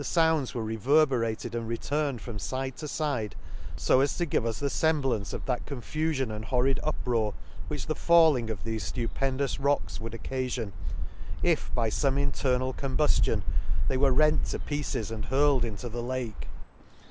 71 hand the founds were reverberated and returned from fide to fide, fo as to give us the femblance of that confufion and horrid uproar, which the falling of thefe ftupendous rocks would occafion, if by fome internal combuftion they were rent to pieces, and hurled into the Lake.